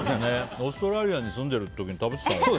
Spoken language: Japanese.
オーストラリアに住んでた時に食べてたのかな。